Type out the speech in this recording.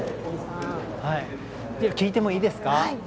聞いてもいいですか。